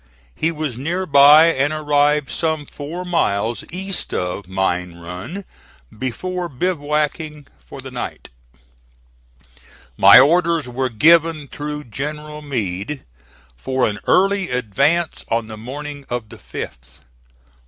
He was near by and arrived some four miles east of Mine Run before bivouacking for the night. My orders were given through General Meade for an early advance on the morning of the 5th.